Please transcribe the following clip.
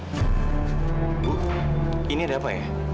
ibu ini ada apa ya